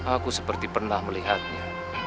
aku seperti pernah melihatnya